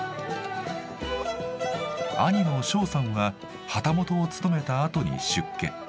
兄の正三は旗本を務めたあとに出家。